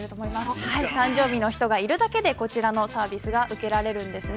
誕生日の人がいるだけでこちらのサービスが受けられます。